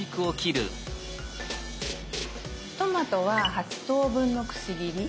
トマトは８等分のくし切り。